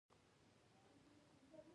احمد خپل پلار تر اوبو وېست.